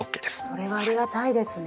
それはありがたいですね。